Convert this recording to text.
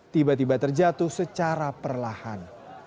tiba tiba terjatuh secara perlahan